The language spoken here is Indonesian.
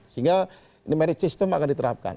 sehingga ini merit system akan diterapkan